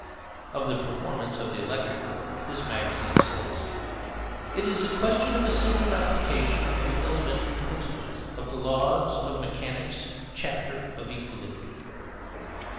Of the performance of the Electric Girl this magazine says: It is a question of a simple application of the elementary principles of the laws of mechanics, chapter of equilibrium.